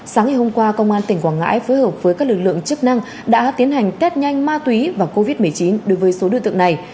sáng ngày hôm qua công an tỉnh quảng ngãi phối hợp với các lực lượng chức năng đã tiến hành test nhanh ma túy và covid một mươi chín đối với số đối tượng này